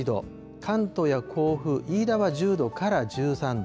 関東や甲府、飯田は１０度から１３度。